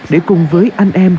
để cùng với anh em